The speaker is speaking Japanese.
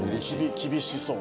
厳しそう。